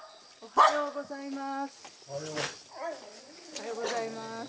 おはようございます。